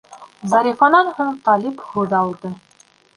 Зарифанан һуң Талип һүҙ алды: